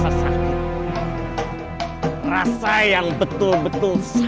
dia harus tahu bahwa pukulan yang keras akan memberi dia kekuatan